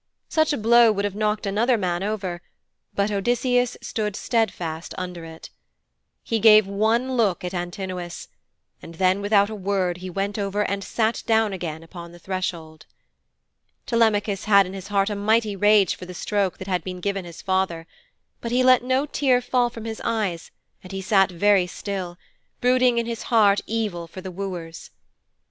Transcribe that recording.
Such a blow would have knocked another man over, but Odysseus stood steadfast under it. He gave one look at Antinous, and then without a word he went over and sat down again upon the threshold. Telemachus had in his heart a mighty rage for the stroke that had been given his father. But he let no tear fall from his eyes and he sat very still, brooding in his heart evil for the wooers.